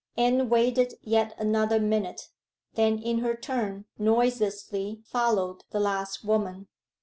Anne waited yet another minute then in her turn noiselessly followed the last woman.